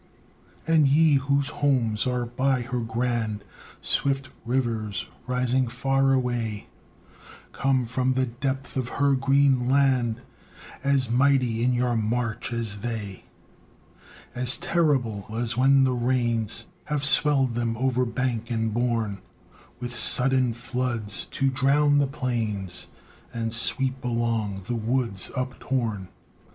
And ye, whose homes are by her grand Swift rivers, rising far away, Come from the depth of her green land, As mighty in your march as they; As terrible as when the rains Have swelled them over bank and borne, With sudden floods to drown the plains And sweep along the woods uptorn.